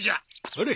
ほれ！